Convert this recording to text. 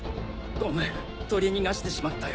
ごめん取り逃がしてしまったよ。